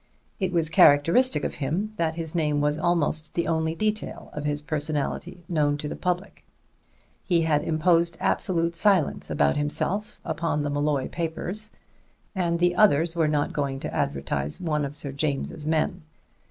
It was characteristic of him that his name was almost the only detail of his personality known to the public. He had imposed absolute silence about himself upon the Molloy papers; and the others were not going to advertise one of Sir James's men.